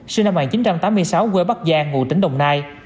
sinh năm một nghìn chín trăm tám mươi sáu quê bắc giang ngụ tỉnh đồng nai